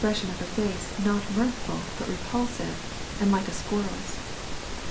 29 piession of her face not mirthful but repulsive and like a squirrel's.